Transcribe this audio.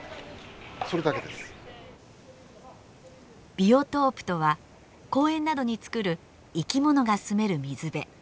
ビオトープとは公園などに造る「生き物」が住める水辺。